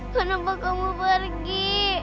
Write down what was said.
kenapa kamu pergi